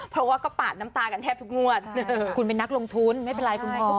เพราะว่าก็ปาดน้ำตากันแทบทุกงวดคุณเป็นนักลงทุนไม่เป็นไรคุณแม่ก็บอก